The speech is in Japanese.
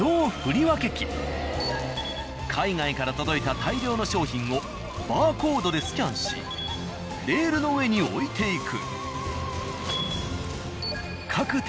海外から届いた大量の商品をバーコードでスキャンしレールの上に置いていく。